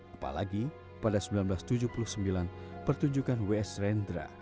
apalagi pada seribu sembilan ratus tujuh puluh sembilan pertunjukan ws rendra